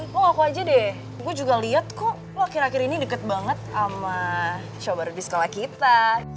lo ngaku aja deh gue juga liat kok lo akhir akhir ini deket banget sama coba lebih sekolah kita